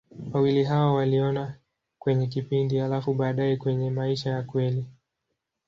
Wawili hao waliona kwenye kipindi, halafu baadaye kwenye maisha ya kweli.